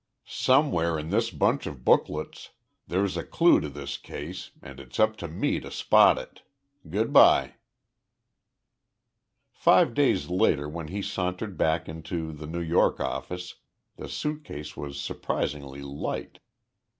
"Somewhere in this bunch of booklets there's a clue to this case and it's up to me to spot it. Good by." Five days later when he sauntered back into the New York office the suit case was surprisingly light.